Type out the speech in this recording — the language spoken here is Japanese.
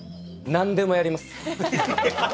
何でもやります。